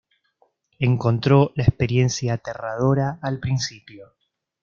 Encontró la experiencia "aterradora" al principio.